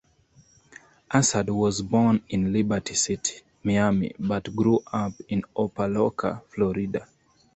Assad was born in Liberty City, Miami, but grew up in Opa-locka, Florida.